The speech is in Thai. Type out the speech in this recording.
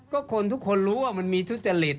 ก็คนทุกคนรู้ว่ามันมีทุจริต